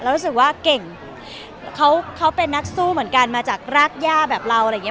รู้สึกว่าเก่งเขาเป็นนักสู้เหมือนกันมาจากรากย่าแบบเราอะไรอย่างเง